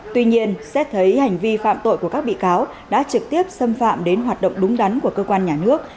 tuy nhiên xét thấy hành vi phạm tội của các bị cáo đã trực tiếp xâm phạm đến hoạt động đúng đắn của cơ quan nhà nước